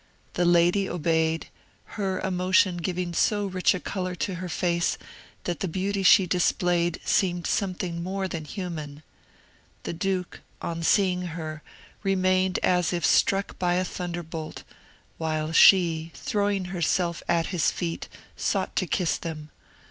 The lady obeyed; her emotion giving so rich a colour to her face that the beauty she displayed seemed something more than human. The duke, on seeing her, remained as if struck by a thunderbolt, while she, throwing herself at his feet, sought to kiss them.